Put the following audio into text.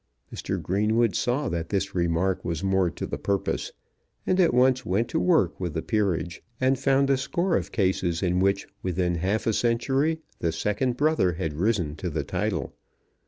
Mr. Greenwood saw that this remark was more to the purpose, and at once went to work with the Peerage, and found a score of cases in which, within half a century, the second brother had risen to the title.